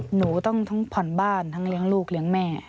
หนูต้องผ่อนบ้านทั้งเลี้ยงลูกเลี้ยงแม่